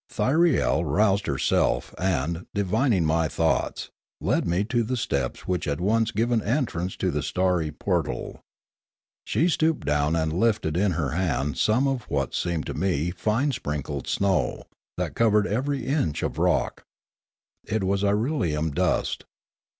Thyriel roused her self and, divining my thoughts, led me to the steps which had once given entrance to the starry portal. She stooped and lifted in her hand some of what seemed to me fine sprinkled snow, that covered every inch of rock. It was irelium dust.